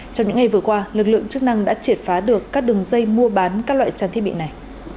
trong những ngày vừa qua lực lượng chức năng đã triệt phá được các đường dây mua bán các loại trang thiết bị này